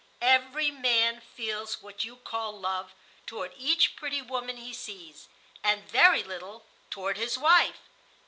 Every man feels what you call love toward each pretty woman he sees, and very little toward his wife.